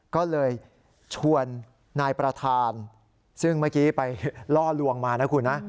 ก็เลยชวนนายประธานซึ่งเมื่อกี้ไปล่อลวงมานะคุณนะ